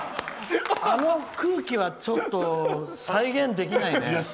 あの空気はちょっと再現できないね。